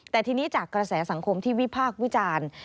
แต่ทีนี้จากกระแสสังคมที่วิพากษ์วิจารณ์